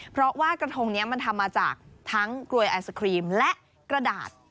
เพราะว่ากระทงนี้มันทำมาจากทั้งกลวยไอศครีมและกระดาษ